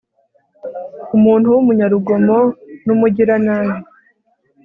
umuntu w'umunyarugomo n'umugiranabi